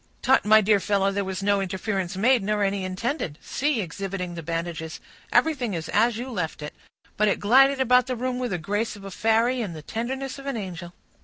"Tut—my dear fellow, there was no interference made, nor any intended. See," exhibiting the bandages, "everything is as you left it,—but it glided about the room with the grace of a fairy and the tenderness of an angel."